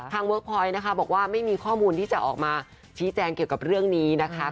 เวิร์คพอยต์นะคะบอกว่าไม่มีข้อมูลที่จะออกมาชี้แจงเกี่ยวกับเรื่องนี้นะคะ